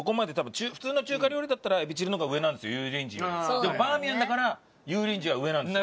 でもバーミヤンだから油淋鶏は上なんですよ。